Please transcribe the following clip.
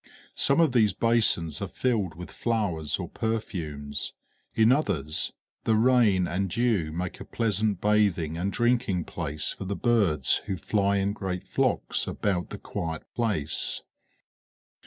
Some of these basins are filled with flowers or perfumes; in others, the rain and dew make a pleasant bathing and drinking place for the birds who fly in great flocks about the quiet place.